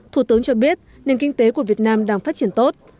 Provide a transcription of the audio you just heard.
thủ tướng cho biết nền kinh tế của việt nam đang phát triển tốt